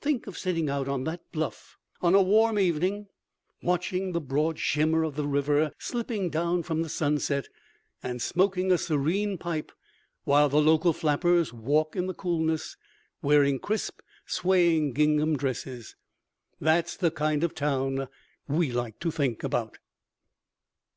Think of sitting out on that bluff on a warm evening, watching the broad shimmer of the river slipping down from the sunset, and smoking a serene pipe while the local flappers walk in the coolness wearing crisp, swaying gingham dresses. That's the kind of town we like to think about.